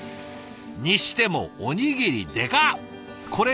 にしてもおにぎりデカッ！